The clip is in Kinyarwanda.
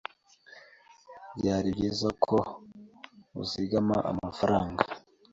Byari byiza ko uzigama amafaranga.